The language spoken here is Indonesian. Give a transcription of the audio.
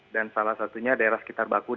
dan salah satunya daerah sekitar baku